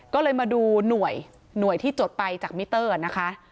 ก็เลยมาดูหน่วยที่จดไปจากมิเตอร์นะคะ